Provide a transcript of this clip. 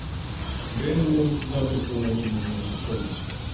連合に繋がりそうな人間が見つかりました。